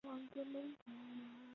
上野英三郎的秋田犬。